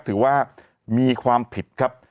ถือว่ามีความผิดครับ